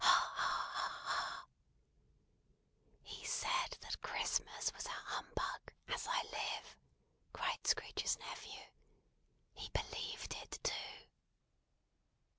"Ha, ha! Ha, ha, ha, ha!" "He said that Christmas was a humbug, as I live!" cried Scrooge's nephew. "He believed it too!"